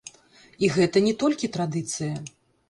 І гэта не толькі традыцыя.